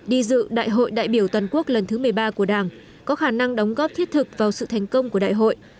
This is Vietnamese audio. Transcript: đi dự đại hội đại biểu toàn quốc lần thứ một mươi ba của đảng có khả năng đóng góp thiết thực vào sự thành công của đại hội